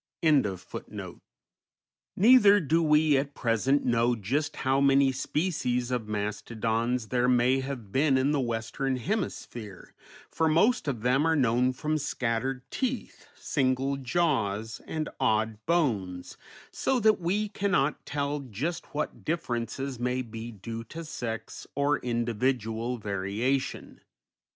_ Neither do we at present know just how many species of mastodons there may have been in the Western Hemisphere, for most of them are known from scattered teeth, single jaws, and odd bones, so that we cannot tell just what differences may be due to sex or individual variation.